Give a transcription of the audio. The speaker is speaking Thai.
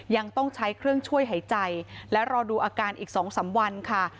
ยังต้องใช้เครื่องช่วยหายใจและรอดูอาการอีก๒๓วันค่ะ